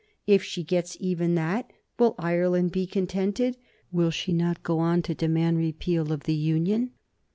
If she gets even that, will Ireland be contented? Will she not go on to demand repeal of the Union?"